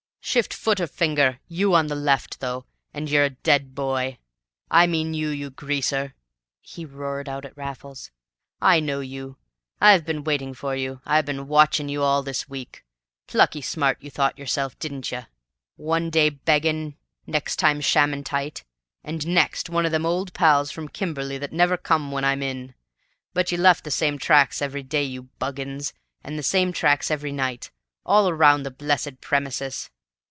Shift foot or finger, you on the left, though, and you're a dead boy. I mean you, you greaser!" he roared out at Raffles. "I know you. I've been waitin' for you. I've been WATCHIN' you all this week! Plucky smart you thought yerself, didn't you? One day beggin', next time shammin' tight, and next one o' them old pals from Kimberley what never come when I'm in. But you left the same tracks every day, you buggins, an' the same tracks every night, all round the blessed premises."